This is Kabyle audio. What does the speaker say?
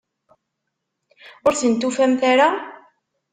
Ur ten-tufamt ara?